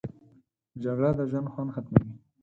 جګړه د ژوند خوند ختموي